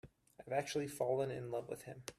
I've actually fallen in love with him.